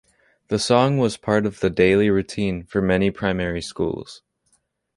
This song was part of the daily routine for many primary schools.